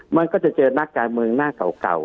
มันก็จะเจอนักการเมืองหน้าเก่า